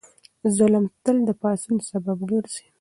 ظلم تل د پاڅون سبب ګرځي.